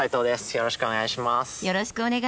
よろしくお願いします。